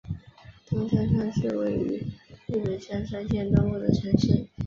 东香川市是位于日本香川县东部的城市。